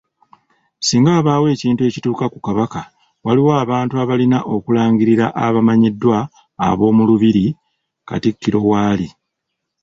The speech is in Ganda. Ssinga wabaawo ekintu ekituuka ku Kabaka, waliwo abantu abalina okulangirira abamanyiddwa ab’omulubiri, Katikkiro w'ali.